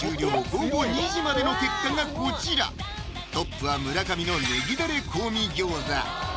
午後２時までの結果がこちらトップは村上のねぎダレ香味餃子